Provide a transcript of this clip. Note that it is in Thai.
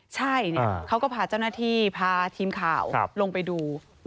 ใช่เขาก็พาเจ้าหน้าที่พาทีมข่าวลงไปดู